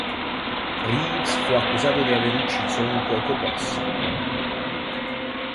Reeves fu accusato di aver ucciso un cuoco posse.